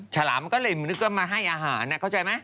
ฉลามก็เลยนึกว่ามาให้อาหารเข้าใจไหม